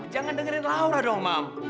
jangan dengerin laura dong mam